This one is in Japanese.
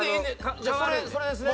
じゃあそれですね？